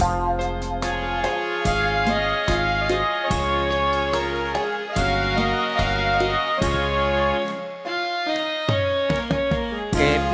ช่วงทางบ้านละครับ